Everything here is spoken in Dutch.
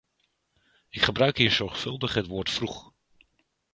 Ik gebruik hier zorgvuldig het woord 'vroeg'.